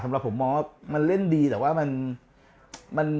สำหรับผมมองว่ามันเล่นดีแต่ว่ามัน